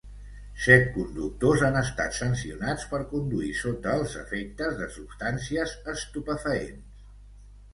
Set conductors han estat sancionats per conduir sota els efectes de substàncies estupefaents.